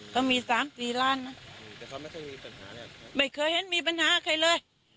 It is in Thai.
เขามี๓ปีร้านไม่เคยเห็นมีปัญหาใครเลย